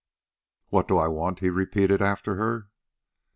"What do I want?" he repeated after her.